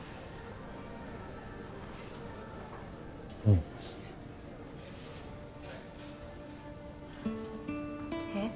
うん。えっ？